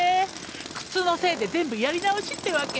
靴のせいで全部やり直しってわけ？